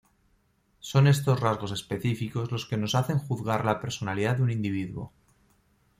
Son estos rasgos específicos los que nos hacen juzgar la personalidad de un individuo.